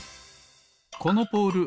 このポール